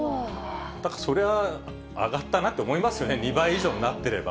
だからそりゃ、上がったなと思いますよね、２倍以上になってれば。